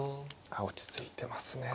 あ落ち着いてますね。